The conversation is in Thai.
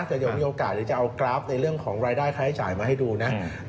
แต่เดี๋ยวมีโอกาสหรือจะเอากราฟในเรื่องของรายได้ค่าใช้จ่ายมาให้ดูนะ